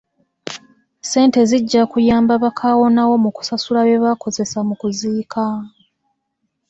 Ssente zijja kuyamba ba kaawonawo mu kusasula bye baakozesa mu kuziika.